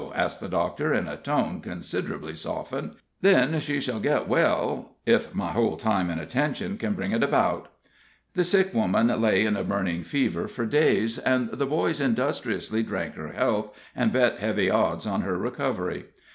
asked the doctor, in a tone considerably softened; "then she shall get well, if my whole time and attention can bring it about." The sick woman lay in a burning fever for days, and the boys industriously drank her health, and bet heavy odds on her recovery.